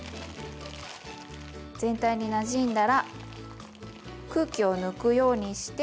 全体になじんだら空気を抜くようにして袋を閉じます。